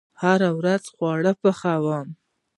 هره ورځ خواړه پخوم